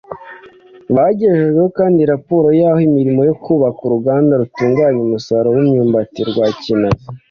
Bagejejweho kandi raporo y’aho imirimo yo kubaka uruganda rutunganya umusaruro w’imyumbati rwa Kinazi